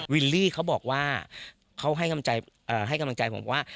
วิลลี่เขาบอกว่าเขาให้กำลังใจผมว่า